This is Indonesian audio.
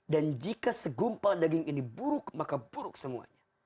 dan jika segumpah daging ini buruk maka buruk semuanya